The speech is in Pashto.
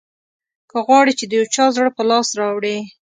که غواړې چې د یو چا زړه په لاس راوړې.